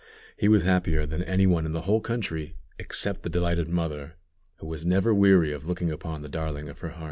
He was happier than any one in the whole country, except the delighted mother, who was never weary of looking upon the darling of her heart.